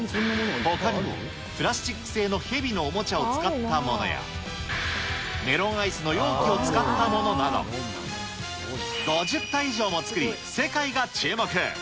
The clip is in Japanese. ほかにも、プラスチック製の蛇のおもちゃを使ったものや、メロンアイスの容器を使ったものなど、５０体以上も作り、世界が注目。